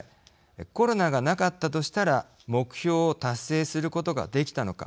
コロナがなかったとしたら目標を達成することができたのか。